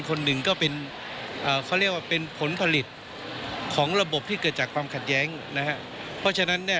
กรณีนี้ทางด้านของประธานกรกฎาได้ออกมาพูดแล้ว